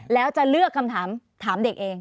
แล้วจะเลือกคำถามถามเด็กเอง